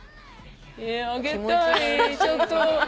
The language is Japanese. あげたいちょっと。